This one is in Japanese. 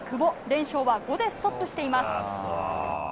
連勝は５でストップしています。